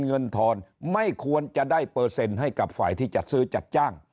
ทอนไม่ควรจะได้เปอร์เซ็นต์ให้กับฝ่ายที่จัดซื้อจัดจ้าง